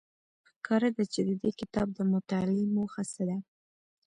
ښکاره ده چې د دې کتاب د مطالعې موخه څه ده.